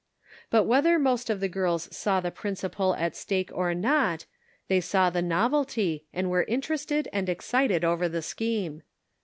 But whether most of the girls saw the principle at stake or not, they saw the novelty, and were inter ested and excited over the scheme.